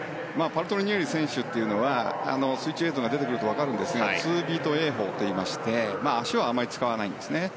パルトリニエリ選手というのは水中映像が出てくるとわかるんですがツービート泳法といいまして足をあまり使わないんですね。